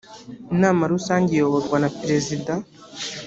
inama rusange iyoborwa na perezida